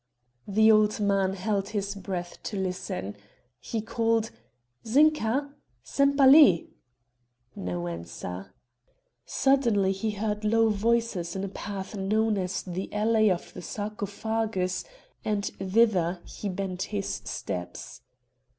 The old man held his breath to listen; he called: "Zinka Sempaly!" No answer. Suddenly he heard low voices in a path known as the alley of the Sarcophagus and thither he bent his steps.